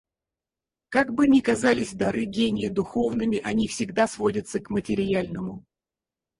Как бы ни казались дары гения духовными, они всегда сводятся к материальному.